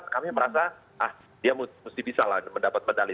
kami merasa ah dia mesti bisa lah mendapat medali